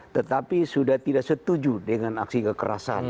tetapi sudah tidak setuju dengan aksi kekerasan